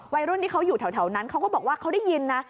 วัยรุ่นที่เขาอยู่แถวนั้นเขาก็บอกว่าเขาได้ยินนะ